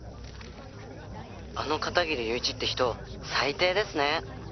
「あの片切友一って人最低ですね」